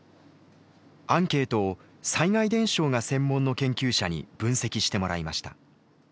アンケートを災害伝承が専門の研究者に分析してもらいました。